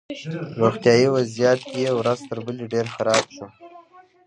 روغتیایي وضعیت یې ورځ تر بلې ډېر خراب شو